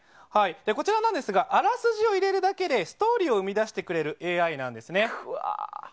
こちらはあらすじを入れるだけでストーリーを生み出してくれるＡＩなんですね。